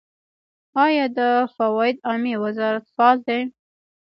آیا د فواید عامې وزارت فعال دی؟